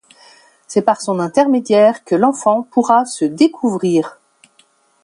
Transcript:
C’est par son intermédiaire que l’enfant pourra se découvrir.